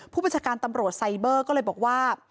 ผู้บัญชาการตำรวจไซเบอร์ก็เลยบอกว่า